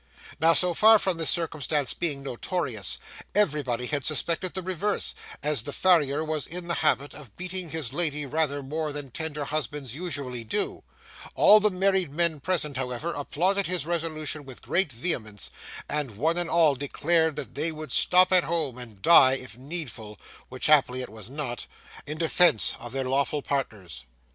Now, so far from this circumstance being notorious, everybody had suspected the reverse, as the farrier was in the habit of beating his lady rather more than tender husbands usually do; all the married men present, however, applauded his resolution with great vehemence, and one and all declared that they would stop at home and die if needful (which happily it was not) in defence of their lawful partners.